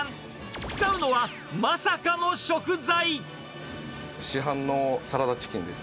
使うのは、まさかの食材。